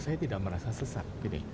saya tidak merasa sesat